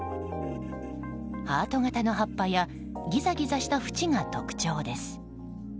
ハート形の葉っぱやギザギザしたふちが特徴です。